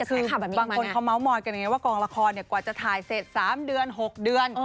คือบางคนเขาเมาส์มอยกันไงว่ากองละครกว่าจะถ่ายเสร็จ๓เดือน๖เดือน